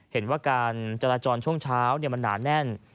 เห็นว่าการจราจรช่วงเช้ามันหนาแน่น